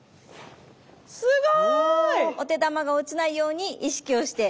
すごい！お手玉が落ちないように意識をして。